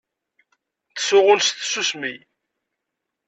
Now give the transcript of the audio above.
Ttsuɣun s tsusmi.